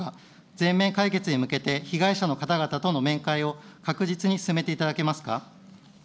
全面解決に向けて、被害者の方々との面会を確実に進めていただけますか。